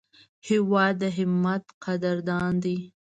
هېواد د همت قدردان دی.